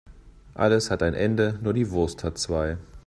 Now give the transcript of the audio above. Alles hat ein Ende, nur die Wurst hat zwei.